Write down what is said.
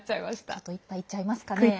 ちょっと１杯いっちゃいますかね。